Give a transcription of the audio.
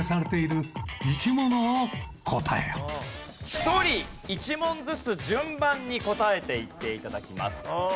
１人１問ずつ順番に答えていって頂きます。